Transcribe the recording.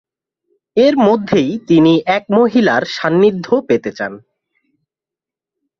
এর মধ্যেই তিনি এক মহিলার সান্নিধ্য পেতে চান।